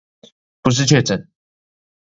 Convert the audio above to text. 不是確診